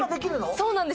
そうなんです。